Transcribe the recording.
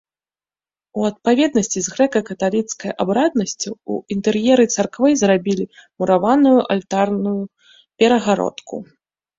У адпаведнасці з грэка-каталіцкай абраднасцю ў інтэр'еры царквы зрабілі мураваную алтарную перагародку.